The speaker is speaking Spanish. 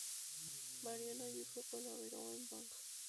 Mariano Ayuso colaboró en Bang!